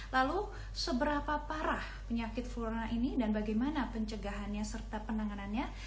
lalu seberapa parah penyakit flurona ini dan bagaimana pencegahannya serta penanganannya